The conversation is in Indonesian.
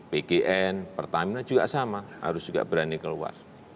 pgn pertamina juga sama harus juga berani keluar